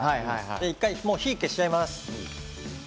１回、火を消しちゃいます。